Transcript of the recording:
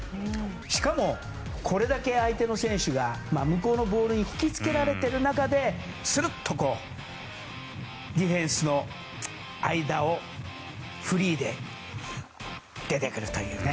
しかもこれだけ相手の選手が向こうのボールに引きつけられている中でするっとディフェンスの間をフリーで出てくるというね。